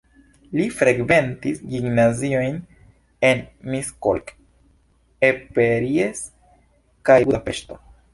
Li frekventis gimnaziojn en Miskolc, Eperjes kaj Budapeŝto.